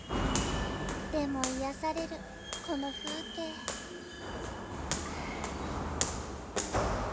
でも癒やされるこの風景あ。